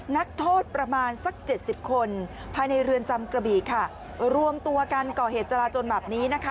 นักโทษประมาณสักเจ็ดสิบคนภายในเรือนจำกระบี่ค่ะรวมตัวกันก่อเหตุจราจนแบบนี้นะคะ